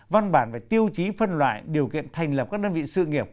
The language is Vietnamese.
văn bản về tiêu chí phân loại điều kiện thành lập các đơn vị sự nghiệp